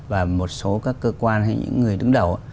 và một số các cơ quan hay những người đứng đầu